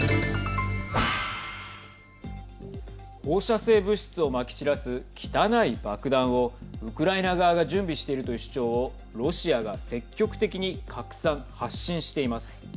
放射性物質をまき散らす汚い爆弾をウクライナ側が準備しているという主張をロシアが積極的に拡散・発信しています。